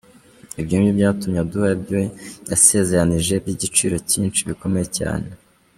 Ibyo ni byo byatumye aduha ibyo yasezeranije by'igiciro cyinshi, bikomeye cyane.